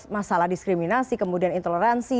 masalah diskriminasi kemudian intoleransi